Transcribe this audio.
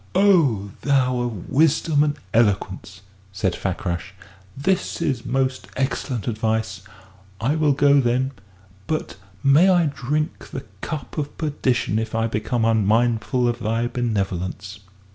"O thou of wisdom and eloquence," said Fakrash, "this is most excellent advice. I will go, then; but may I drink the cup of perdition if I become unmindful of thy benevolence!"